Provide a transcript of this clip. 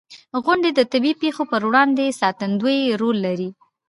• غونډۍ د طبعي پېښو پر وړاندې ساتندوی رول لري.